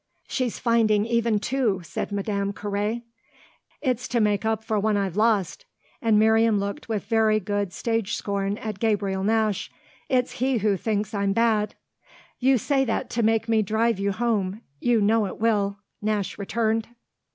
"She's finding even two," said Madame Carré. "It's to make up for one I've lost!" And Miriam looked with very good stage scorn at Gabriel Nash. "It's he who thinks I'm bad." "You say that to make me drive you home; you know it will," Nash returned.